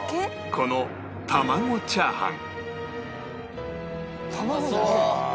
この玉子チャーハン